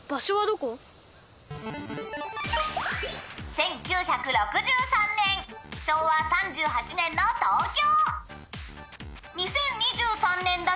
「１９６３年昭和３８年の東京」